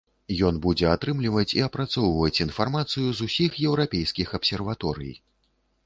Ён будзе атрымліваць і апрацоўваць інфармацыю з усіх еўрапейскіх абсерваторый.